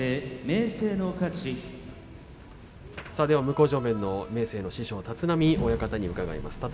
向正面、明生の師匠立浪親方に伺います。